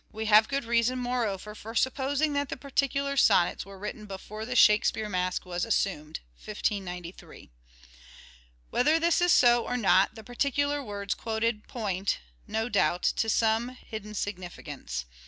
We have good reasons, moreover, for supposing that the particular sonnets were written before the " Shakespeare " mask was assumed (1593). Whether this is so or not, the particular words quoted point, no doubt, to some hidden significance.